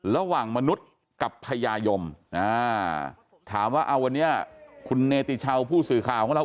มนุษย์กับพญายมถามว่าเอาวันนี้คุณเนติชาวผู้สื่อข่าวของเรา